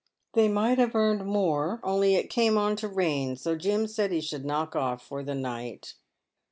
They might have earned more, only it came on to rain, so Jim said he should knock off for the night.